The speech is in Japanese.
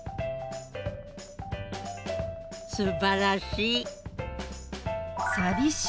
すばらしい。